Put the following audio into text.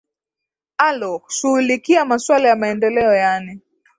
alo shughulikia maswala ya maendeleo yaani